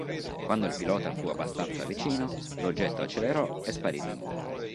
Quando il pilota fu abbastanza vicino, l'oggetto accelerò e sparì di nuovo.